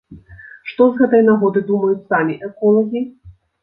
Што з гэтай нагоды думаюць самі эколагі?